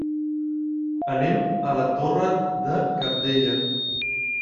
Anem a la Torre de Cabdella.